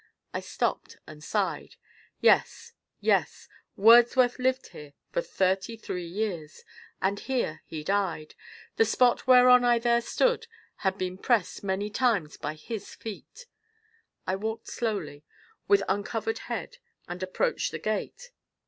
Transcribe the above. I stopped and sighed. Yes, yes, Wordsworth lived here for thirty three years, and here he died; the spot whereon I then stood had been pressed many times by his feet. I walked slowly, with uncovered head, and approached the gate.